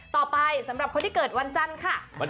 ต่อไปสำหรับคนที่เกิดวันจันทร์ค่ะ